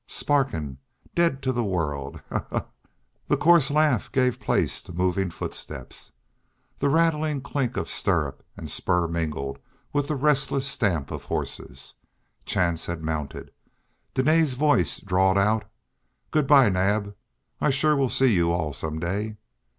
"Sparkin'! Dead to the world. Ham! Haw! Haw!" The coarse laugh gave place to moving footsteps. The rattling clink of stirrup and spur mingled with the restless stamp of horse. Chance had mounted. Dene's voice drawled out: "Good bye, Naab, I shore will see you all some day."